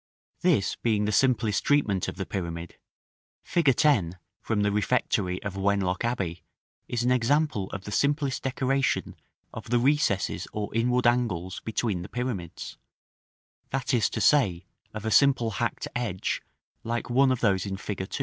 § VIII. This being the simplest treatment of the pyramid, fig. 10, from the refectory of Wenlock Abbey, is an example of the simplest decoration of the recesses or inward angles between the pyramids; that is to say, of a simple hacked edge like one of those in fig.